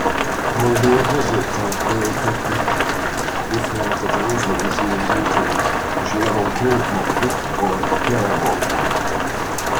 For the opposite of "neotenic", different authorities use either "gerontomorphic" or "peramorphic".